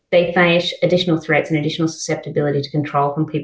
mereka mengalami kelelahan perempuan dan kelelahan kemampuan